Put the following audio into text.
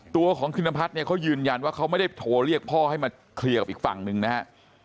ตัวของธินพัฒน์เนี่ยเขายืนยันว่าเขาไม่ได้โทรเรียกพ่อให้มาเคลียร์กับอีกฝั่งหนึ่งนะฮะ